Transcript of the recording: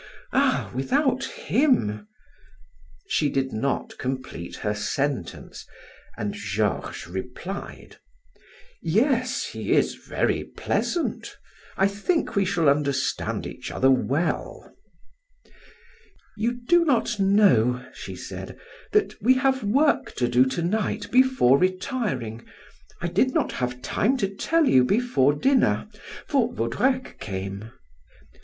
Ah, without him " She did not complete her sentence and Georges replied: "Yes, he is very pleasant, I think we shall understand each other well." "You do not know," she said, "that we have work to do to night before retiring. I did not have time to tell you before dinner, for Vaudrec came.